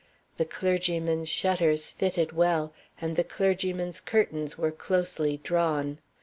The clergyman's shutters fitted well, and the clergyman's curtains were closely drawn.